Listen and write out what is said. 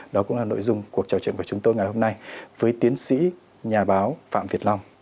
đó cũng là nội dung cuộc trò chuyện của chúng tôi ngày hôm nay với tiến sĩ nhà báo phạm việt long